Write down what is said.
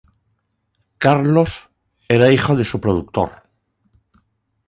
Carlos era hijo de su productor.